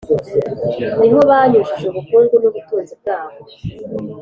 ni ho banyujije ubukungu n’ubutunzi bwabo